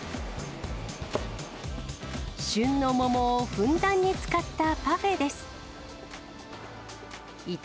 旬の桃をふんだんに使ったパフェです。